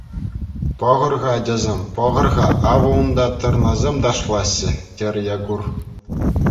— Пӑхӑр-ха, ачасем, пӑхӑр-ха, авӑ унта тӑрнасем ташлаҫҫӗ, — терӗ Якур.